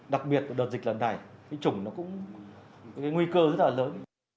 đặc biệt đợt dịch lần này cái chủng nó cũng cái nguy cơ rất là lớn